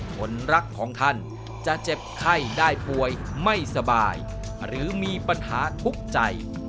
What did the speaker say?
คนรักของท่านจะเจ็บไข้ได้ป่วยไม่สบายหรือมีปัญหาทุกข์ใจ